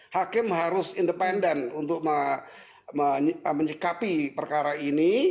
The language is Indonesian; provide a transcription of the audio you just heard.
hakim harus independen untuk menyikapi perkara ini